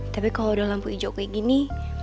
tapi kalau udah lampu hijau kayak gini